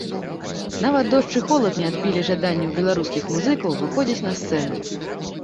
Нават дождж і холад не адбілі жадання ў беларускіх музыкаў выходзіць на сцэну.